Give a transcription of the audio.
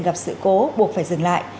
gặp sự cố buộc phải dừng lại